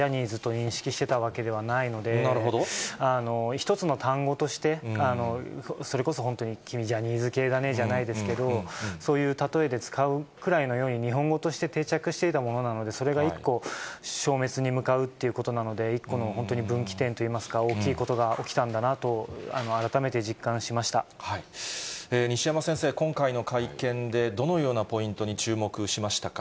１つの単語として、それこそ、本当に君、ジャニーズ系だね、じゃないですけど、そういうたとえで使うくらいのように、日本語として定着していたものなので、それが１個、消滅に向かうということなので、一個の本当に分岐点といいますか、大きいことが起きたんだなと、西山先生、今回の会見で、どのようなポイントに注目しましたか。